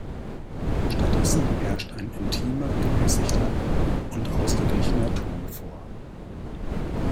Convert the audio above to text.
Stattdessen herrscht ein intimer, gemäßigter und ausgeglichener Ton vor.